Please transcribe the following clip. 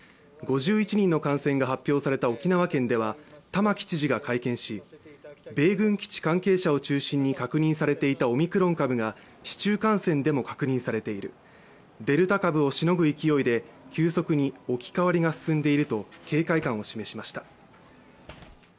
５１人の感染が発表された沖縄県では玉城知事が会見し、米軍基地関係者を中心に確認されていたオミクロン株が市中感染でも確認されている、デルタ株をしのぐ勢いで急速に置き換わりが進んでいると警戒感を示しました。